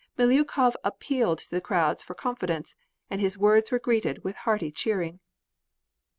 Miliukov appealed to the crowd for confidence, and his words were greeted with hearty cheering.